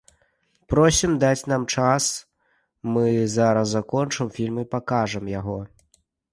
Просім даць нам час, мы зараз закончым фільм і пакажам яго.